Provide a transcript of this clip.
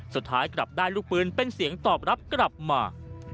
สุดท้ายกลับได้ลูกปืนเป็นเสียงตอบรับกลับมา